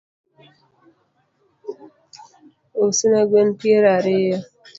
Usna gwen peiro ariyo